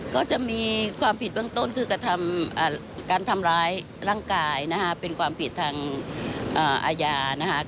ก็จะมีความผิดเบื้องต้นคือกระทำการทำร้ายร่างกายนะฮะเป็นความผิดทางอาญานะคะ